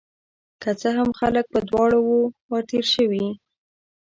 که څه هم، خلک په دواړو وو تیر شوي